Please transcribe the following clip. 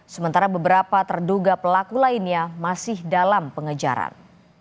sementara beberapa terduga pelaku lainnya masih dalam pengejaran